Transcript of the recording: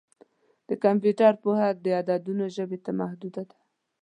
د کمپیوټر پوهه د عددونو ژبې ته محدوده ده.